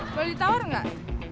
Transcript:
boleh ditawar gak